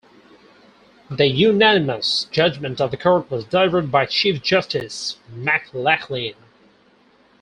The unanimous judgment of the Court was delivered by Chief Justice McLachlin.